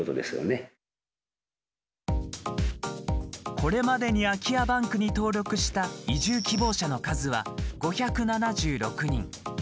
これまでに空き家バンクに登録した移住希望者の数は５７６人。